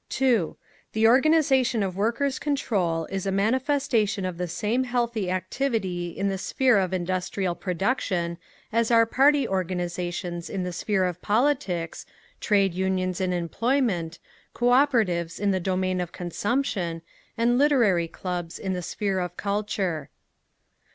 The organisation of Workers' Control is a manifestation of the same healthy activity in the sphere of industrial production, as are party organisations in the sphere of politics, trade unions in employment, Cooperatives in the domain of consumption, and literary clubs in the sphere of culture.